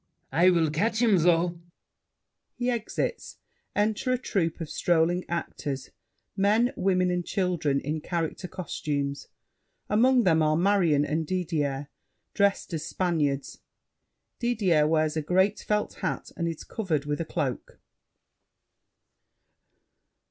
I will catch him, though! [He exits. Enter a troupe of strolling actors, men, women and children in character costumes. Among them are Marion and Didier, dressed as Spaniards. Didier wears a great felt hat and is covered with a cloak.